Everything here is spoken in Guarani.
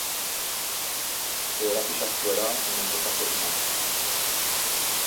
Che rapichakuéra oñembosako'íma